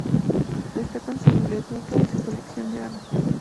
Destacan su biblioteca y su colección de armas.